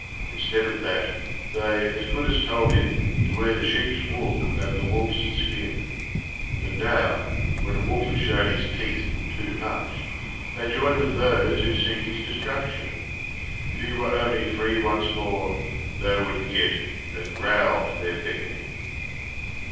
Instead of that, they as good as told him to wear the sheep's wool over the wolf's skin. But now when the wolf has shown his teeth too much, they join with those who seek his destruction. If he were only free once more they would get " a growl for their beckoning."